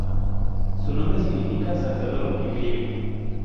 Su nombre significa "San Teodoro" en griego.